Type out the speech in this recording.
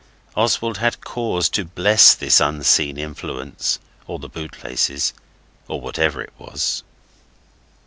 Oswald had cause to bless the unseen influence, or the bootlaces, or whatever it was.